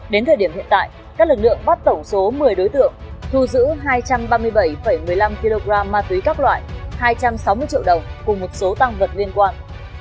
đến thời điểm hiện tại các lực lượng bắt tổng số một mươi đối tượng thu giữ hai trăm ba mươi bảy một mươi năm kg ma túy các loại hai trăm sáu mươi triệu đồng cùng một số tăng vật liên quan